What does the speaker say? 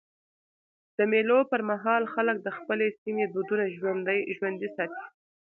د مېلو پر مهال خلک د خپل سیمي دودونه ژوندي ساتي.